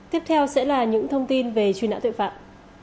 tiếp theo sẽ là những thông tin về truy nã tội phạm